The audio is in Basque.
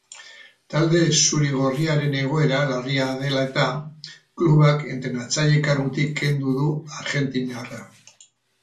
Talde zuri-gorriaren egoera larria dela eta, klubak entrenatzaile kargutik kendu du argentinarra.